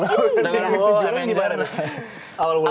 udah bener bener bola